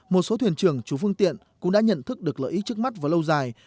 một số thuyền trưởng chủ phương tiện cũng đã nhận thức được lợi ích trước mắt và lâu dài